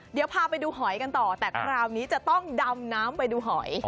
เดี๋ยวพาไปดูหอยกันต่อแต่คราวนี้จะต้องดำน้ำไปดูหอย